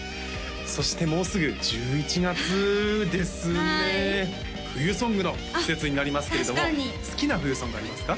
そしてもうすぐ１１月ですねはい冬ソングの季節になりますけれどもあっ確かに好きな冬ソングありますか？